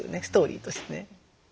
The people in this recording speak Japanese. ストーリーとしてね。